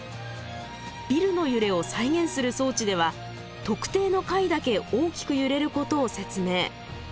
ビルの揺れを再現する装置では特定の階だけ大きく揺れることを説明。